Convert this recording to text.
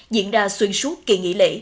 diễn ra xuyên suốt kỳ nghỉ lễ